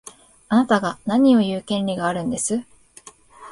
あなたが何を言う権利があるんです。